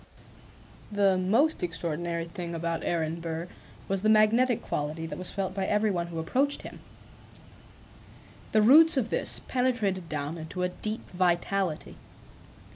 The most extraordinary thing about Aaron Burr was the magnetic quality that was felt by every one who approached him. The roots of this penetrated down into a deep vitality.